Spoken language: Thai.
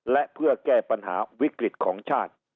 และเพื่อแก้ปัญหาวิกฤตของชาติ